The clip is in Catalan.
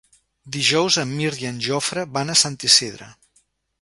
Dijous en Mirt i en Jofre van a Sant Isidre.